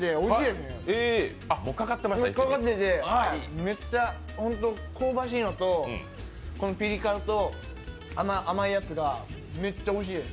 もうかかってて、めっちゃ香ばしいのとこのピリ辛と甘いやつがめっちゃおいしいです。